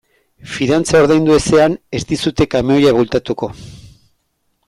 Fidantza ordaindu ezean ez dizute kamioia bueltatuko.